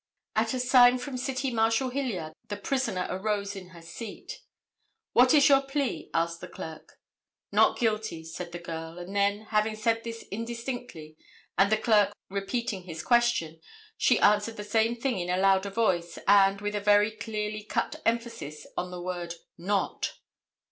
At a sign from City Marshal Hilliard the prisoner arose in her seat. "What is your plea?" asked the Clerk. "Not guilty," said the girl, and then, having said this indistinctly and the clerk repeating his question, she answered the same thing in a louder voice and, with a very clearly cut emphasis on the word "Not."